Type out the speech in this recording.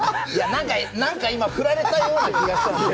なんか今、振られたような気がしたんで。